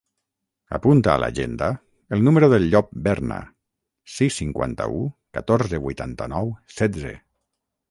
Apunta a l'agenda el número del Llop Berna: sis, cinquanta-u, catorze, vuitanta-nou, setze.